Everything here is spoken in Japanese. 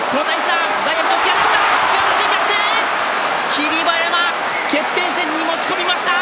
霧馬山、決定戦に持ち込みました。